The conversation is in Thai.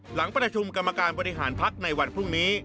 หลังประชุมกรรมการบริหารพักในวันพรุ่งนี้